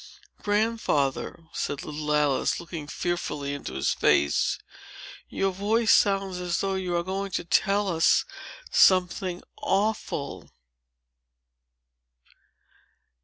"Grandfather," said little Alice, looking fearfully into his face, "your voice sounds as though you were going to tell us something awful!"